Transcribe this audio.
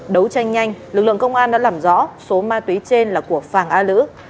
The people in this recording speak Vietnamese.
đấu tranh nhanh lực lượng công an đã làm rõ số ma túy trên là của phàng a lữ